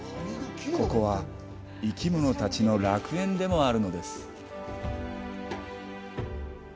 ここは生き物たちの楽園でもあるのです。